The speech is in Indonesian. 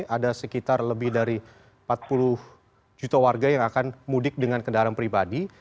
ada sekitar lebih dari empat puluh juta warga yang akan mudik dengan kendaraan pribadi